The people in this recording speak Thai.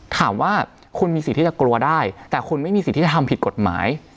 ถามว่าคุณมีสิทธิ์ที่จะกลัวได้แต่คุณไม่มีสิทธิ์ที่จะทำผิดกฎหมาย